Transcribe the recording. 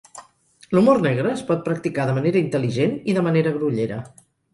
L'humor negre es pot practicar de manera intel·ligent i de manera grollera.